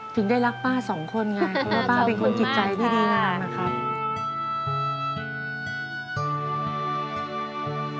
ถึงได้รักป้าสองคนไงเพราะว่าป้าเป็นคนจิตใจที่ดีมากนะครับ